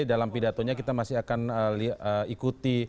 dalam pidatonya kita masih akan ikuti